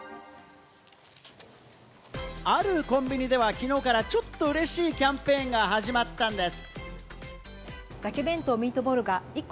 あるコンビニではきのうからちょっと嬉しいキャンペーンが始まったんです。